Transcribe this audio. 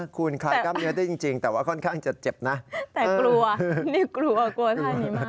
คุณคลายกล้ามเนื้อได้จริงแต่ว่าค่อนข้างจะเจ็บนะแต่กลัวนี่กลัวกลัวท่านี้มาก